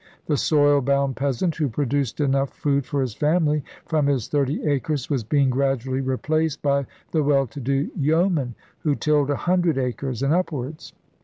The soil bound peasant who produced enough food for his family from his thirty acres was being gradually replaced by the well to do yeo man who tilled a hundred acres and upwards.